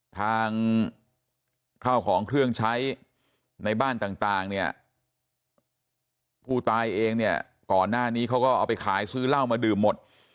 ทางข้าวของเครื่องใช้ในบ้านต่างเนี่ยผู้ตายเองเนี่ยก่อนหน้านี้เขาก็เอาไปขายซื้อเหล้ามาดื่มหมด